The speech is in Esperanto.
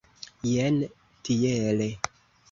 Jen tiele.